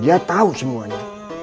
dia tahu semuanya